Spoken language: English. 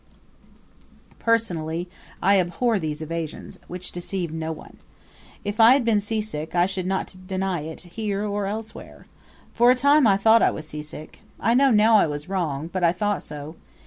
Personally I abhor those evasions, which deceive no one. If I had been seasick I should not deny it here or elsewhere. For a time I thought I was seasick. I know now I was wrong but I thought so.